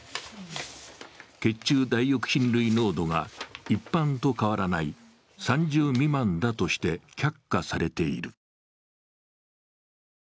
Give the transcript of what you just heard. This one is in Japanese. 血中ダイオキシン類濃度が一般と変わらない３０未満だとして却下されている。